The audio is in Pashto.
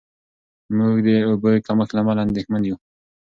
موږ د اوبو د کمښت له امله اندېښمن یو.